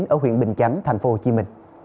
ở huyện bình chánh tp hcm